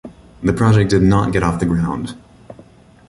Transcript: The project did not get off the ground.